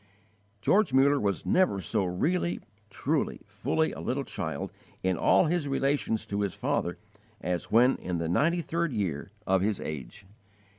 George Muller was never so really, truly, fully a little child in all his relations to his Father, as when in the ninety third year of his age.